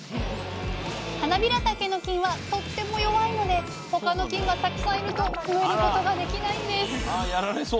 はなびらたけの菌はとっても弱いので他の菌がたくさんいると増えることができないんですあやられそう。